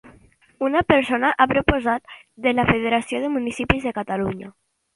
Una persona a proposta de la Federació de Municipis de Catalunya.